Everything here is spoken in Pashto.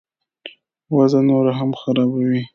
وضع نوره هم خرابوي.